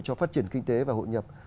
cho phát triển kinh tế và hội nhập